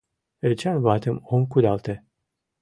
Эчан ватым ом кудалте